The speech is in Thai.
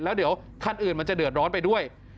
แล้วเดี๋ยวคันอื่นมันจะเดือดร้อนไปด้วย